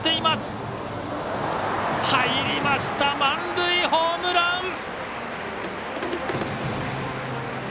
満塁ホームラン！